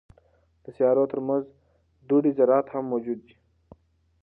د سیارو ترمنځ دوړې ذرات هم موجود دي.